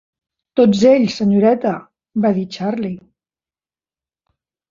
"Tots ells, senyoreta", va dir Charley.